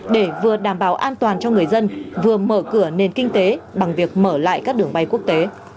để vừa đảm bảo an toàn cho người dân vừa mở cửa nền kinh tế bằng việc mở lại các đường bay quốc tế